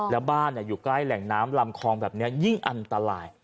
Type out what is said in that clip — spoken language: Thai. แล้วบ้านอยู่ใกล้แหล่งน้ำลำคลองแบบนี้ยิ่งอันตราย